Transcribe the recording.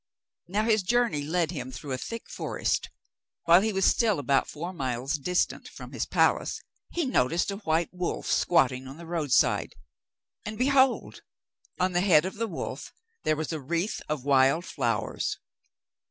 Now his journey led him through a thick forest. While he was still about four miles distant from his palace, he noticed a white wolf squatting on the roadside, and, behold! on the head of the wolf, there was a wreath of wild flowers.